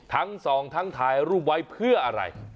ทั้งสองทั้งถ่ายรูปไว้เพื่ออะไร